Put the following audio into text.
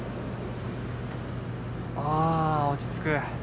あ、落ち着く。